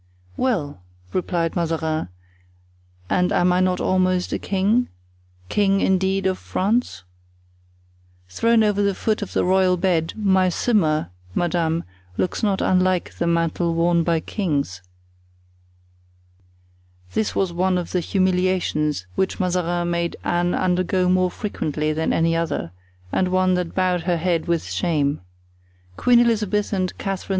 "Well," replied Mazarin, "and am I not almost a king—king, indeed, of France? Thrown over the foot of the royal bed, my simar, madame, looks not unlike the mantle worn by kings." This was one of the humiliations which Mazarin made Anne undergo more frequently than any other, and one that bowed her head with shame. Queen Elizabeth and Catherine II.